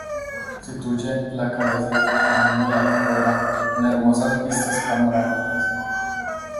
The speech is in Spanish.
Asimismo constituye la cabecera del Camino de La Carrera, con hermosas vistas panorámicas.